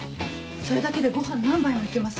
それだけでご飯何杯も行けます。